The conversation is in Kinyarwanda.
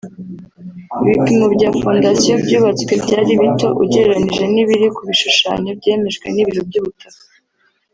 Ibipimo bya fondasiyo byubatswe byari bito ugereranije n’ibiri ku bishushanyo byemejwe n’ibiro by’ubutaka